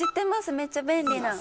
めっちゃ便利。